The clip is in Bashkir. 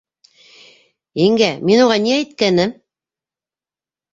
— Еңгә, мин уға ни әйткәнем?